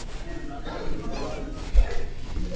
wakuu wa majeshi toka zaidi ya nchi hamsini